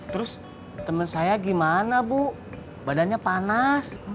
terus teman saya gimana bu badannya panas